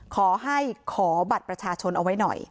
ขอให้ขอบัตรประชาชนเอาไว้หน่อย